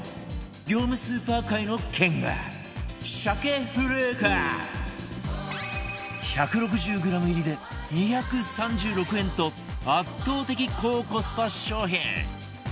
業務スーパー界のキング１６０グラム入りで２３６円と圧倒的高コスパ商品